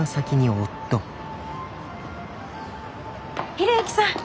寛之さん！